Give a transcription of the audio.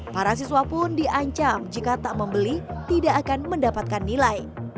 para siswa pun diancam jika tak membeli tidak akan mendapatkan nilai